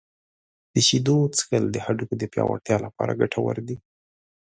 • د شیدو څښل د هډوکو د پیاوړتیا لپاره ګټور دي.